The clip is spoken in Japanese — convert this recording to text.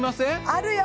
あるよ！